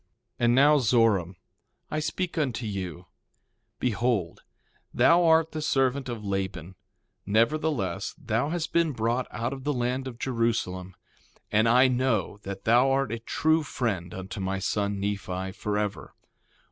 1:30 And now Zoram, I speak unto you: Behold, thou art the servant of Laban; nevertheless, thou hast been brought out of the land of Jerusalem, and I know that thou art a true friend unto my son, Nephi, forever.